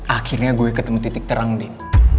akhirnya gue ketemu titik terang deh